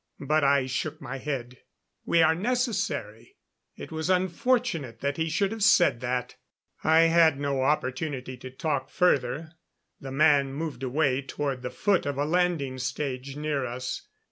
But I shook my head. "We are necessary. It was unfortunate that he should have said that." I had no opportunity to talk further. The man moved away toward the foot of a landing stage near us.